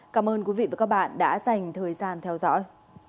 cảm ơn các bạn đã dành thời gian theo dõi